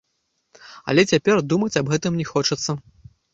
Але цяпер думаць аб гэтым не хочацца.